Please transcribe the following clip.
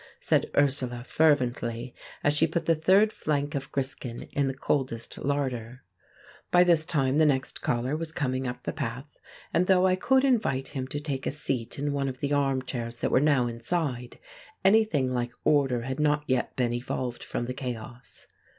said Ursula fervently, as she put the third flank of griskin in the coldest larder. By this time the next caller was coming up the path, and though I could invite him to take a seat in one of the armchairs that were now inside, anything like order had not yet been evolved from the chaos.